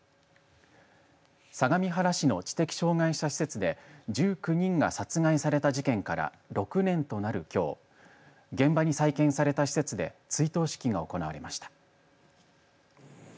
相模原市の知的障害者施設で１９人が殺害された事件から６年となる、きょう現場に再建された施設で追悼式が行われました。